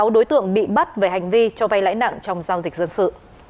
một mươi sáu đối tượng bị bắt về hành vi cho vay lãi nặng trong giao dịch dân sự